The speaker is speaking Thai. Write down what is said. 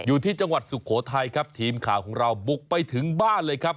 อยู่ที่จังหวัดสุโขทัยครับทีมข่าวของเราบุกไปถึงบ้านเลยครับ